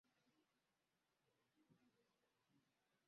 naibu katibu mkuu wa jumuiya majeshi ya kujihami nchi za magharibi